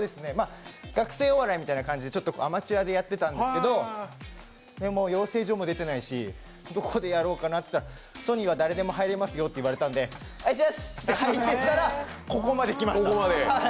学生お笑いみたいな感じでアマチュアでやってたんですけど養成所も出ていないしどこでやろうかなと言ったらソニーは誰でも入れますよっていうのでお願いしやす！って入ったらここまできました。